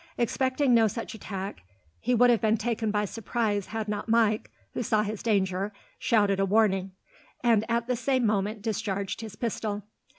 Expecting no such attack, he would have been taken by surprise had not Mike, who saw his danger, shouted a warning, and at the same moment discharged his pistol.